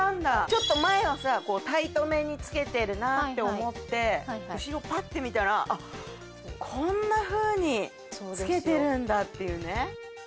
ちょっと前はさタイトめに着けてるなって思って後ろパッて見たらこんなふうに着けてるんだっていうね。